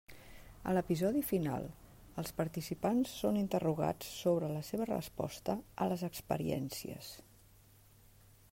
A l'episodi final, els participants són interrogats sobre la seva resposta a les experiències.